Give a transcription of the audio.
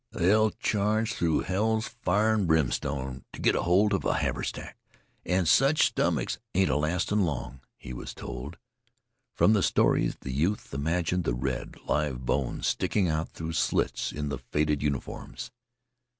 "They'll charge through hell's fire an' brimstone t' git a holt on a haversack, an' sech stomachs ain't a lastin' long," he was told. From the stories, the youth imagined the red, live bones sticking out through slits in the faded uniforms.